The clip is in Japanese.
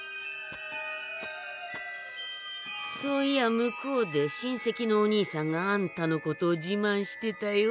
そういや向こうで親せきのおにいさんがあんたのことをじまんしてたよ。